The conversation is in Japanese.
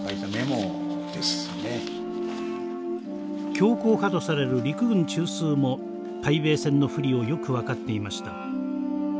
強硬派とされる陸軍中枢も対米戦の不利をよく分かっていました。